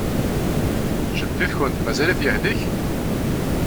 Jeddi-tkent mazal-it yehlek?